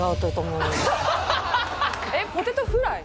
えっポテトフライ？